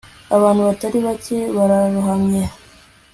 abantu batari bake bararohamye